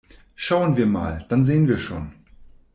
Schauen wir mal, dann sehen wir schon!